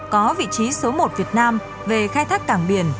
có vị trí số một việt nam về khai thác cảng biển